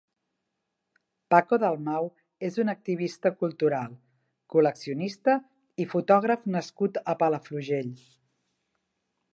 Paco Dalmau és un activista cultural, col·leccionista i fotògraf nascut a Palafrugell.